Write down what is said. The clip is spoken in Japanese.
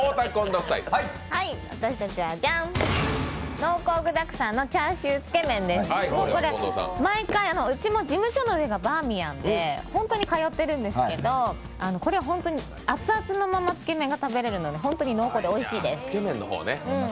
椎名林檎しか思いつかなくてこれ、うちも事務所の上がバーミヤンで本当に通ってるんですけどこれは本当に熱々のままつけ麺が食べられるので、濃厚でおいしいです。